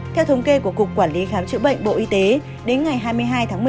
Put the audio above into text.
theo thống kê của cục quản lý khám chữa bệnh bộ y tế đến ngày hai mươi hai tháng một mươi một